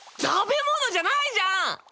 食べ物じゃないじゃん！